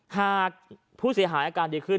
หากผู้เสียหายอาการดีขึ้น